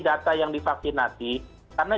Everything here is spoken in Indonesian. data yang divaksinasi karena